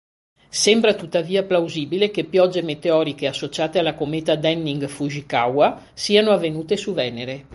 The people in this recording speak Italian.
Sembra tuttavia plausibile che piogge meteoriche associate alla cometa Denning-Fujikawa siano avvenute su Venere.